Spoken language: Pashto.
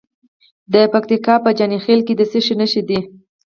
د پکتیکا په جاني خیل کې د څه شي نښې دي؟